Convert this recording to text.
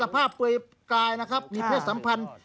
ภาพเปลือยกายนะครับมีเพศสัมพันธ์